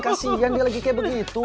kasian dia lagi kayak begitu